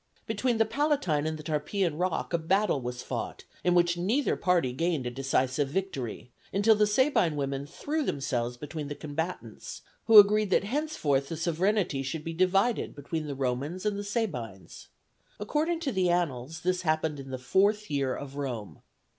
Between the Palatine and the Tarpeian rock a battle was fought, in which neither party gained a decisive victory, until the Sabine women threw themselves between the combatants, who agreed that henceforth the sovereignty should be divided between the Romans and the Sabines. According to the annals, this happened in the fourth year of Rome.